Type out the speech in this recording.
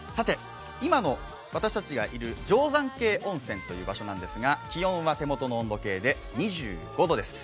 さて、今の私たちがいる定山渓温泉という場所なんですが、気温は手元の温度計で２５度です。